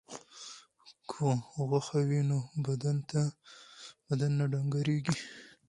که غوښه وي نو بدن نه ډنګریږي.